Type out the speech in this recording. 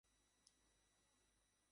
আর পেটে আঘাত মানে আপনি বুঝতে পারছেন না?